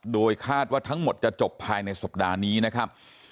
โดยคาดว่าทั้งหมดจะจบภายในสัปดาห์นี้นะครับ